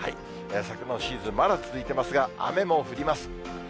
桜のシーズン、まだ続いていますが、雨も降ります。